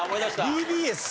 ＢＢＳ。